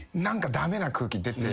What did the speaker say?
駄目な空気出て。